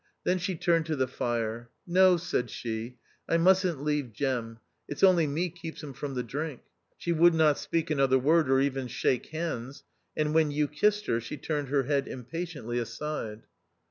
Then she turned to the fire. "No," said she, "I musn't leave Jem ; it's only me keeps him from the drink." She would not speak another word, or even shake hands ; and when you kissed her she turned her head impatiently aside.